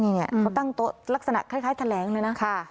เนี้ยเขาตั้งโต๊ะลักษณะคล้ายคล้ายแถลงเลยน่ะค่ะ